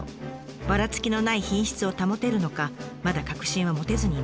ばらつきのない品質を保てるのかまだ確信は持てずにいました。